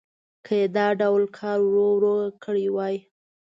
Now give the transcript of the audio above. که یې دا ډول کار ورو ورو کړی وای.